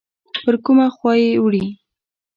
پر کومه خوا یې وړي؟